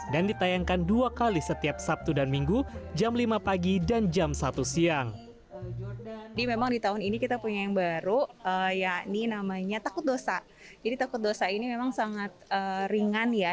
jadi takut dosa ini memang sangat ringan ya